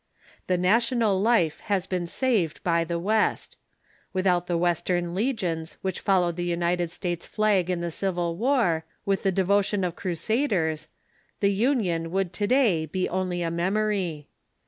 The national life has been saved by the West. Without the Western legions Avhich followed the United States flag in the Civil War, with the devotion of Crusaders, the Union would to day be only a memory.